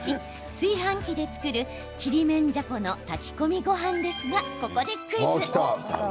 炊飯器で作るちりめんじゃこの炊き込みごはんですが、ここでクイズ。